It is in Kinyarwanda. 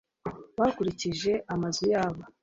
bakurikije amazu yabo